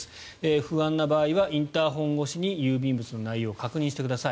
不安な場合はインターホン越しに郵便物の内容を確認してください。